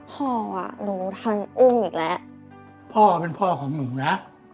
พ่ออ่ะหนูทันอุ้มอีกแล้วพ่อเป็นพ่อของหนูนะ